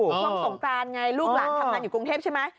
ช่วงสงกรานไงลูกหลานทำงานอยู่กรุงเทพใช่ไหม